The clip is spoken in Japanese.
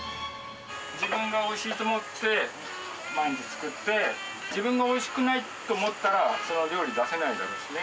自分がおいしいと思って毎日作って、自分がおいしくないと思ったら、その料理出せないだろうしね。